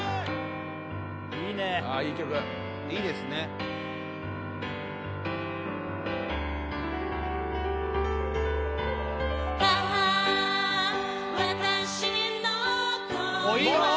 いいねああいい曲いいですねいいよ